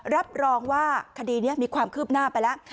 รับรองว่าคดีนี้มีความคืบหน้าไปแล้ว